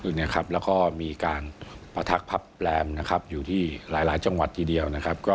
แล้วก็มีการประทักภัพแปลมอยู่ที่หลายจังหวัดทีเดียว